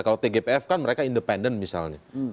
kalau tgpf kan mereka independen misalnya